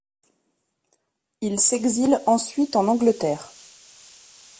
Il s’exile ensuite en Angleterre.